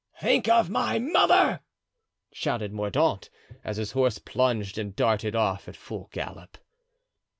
"Think of my mother!" shouted Mordaunt, as his horse plunged and darted off at full gallop.